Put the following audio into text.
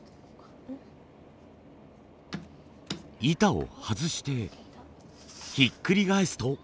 板を外してひっくり返すと。